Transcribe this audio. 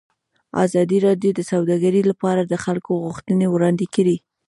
ازادي راډیو د سوداګري لپاره د خلکو غوښتنې وړاندې کړي.